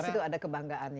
dan di situ ada kebanggaannya